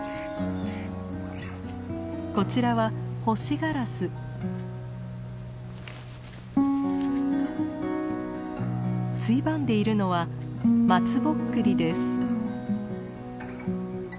こちらはついばんでいるのは松ぼっくりです。